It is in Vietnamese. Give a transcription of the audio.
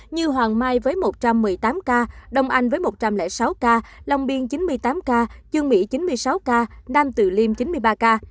như hoàng mai với một trăm một mươi tám ca đông anh với một trăm linh sáu ca long biên chín mươi tám ca dương mỹ chín mươi sáu ca nam tử liêm chín mươi ba ca